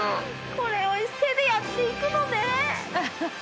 これを手でやっていくのね。